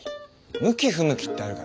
向き不向きってあるからさ。